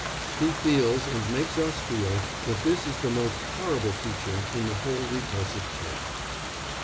He feels, and makes us feel, that this is the most horrible feature in the whole repulsive tale.